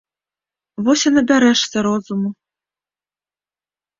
Вось і набярэшся розуму.